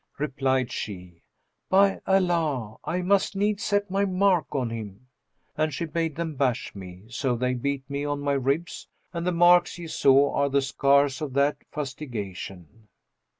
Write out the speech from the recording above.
Replied she, 'By Allah, I must needs set my mark on him.' And she bade them bash me; so they beat me on my ribs and the marks ye saw are the scars of that fustigation.